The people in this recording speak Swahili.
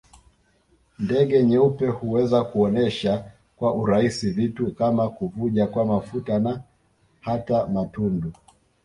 Ndege nyeupe huweza kuonesha kwa urahisi vitu kama kuvuja kwa mafuta na hata matundu